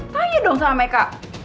tanya dong sama meka